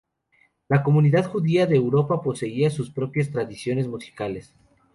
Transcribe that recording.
La comunidad judía de Europa poseía sus propias tradiciones musicales.